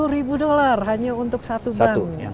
tiga puluh ribu dollar hanya untuk satu ban